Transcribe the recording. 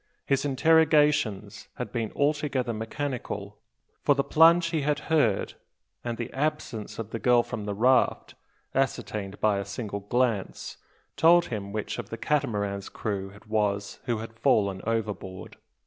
His interrogations had been altogether mechanical, for the plunge he had heard, and the absence of the girl from the raft, ascertained by a single glance, told him which of the Catamaran's crew it was who had fallen overboard.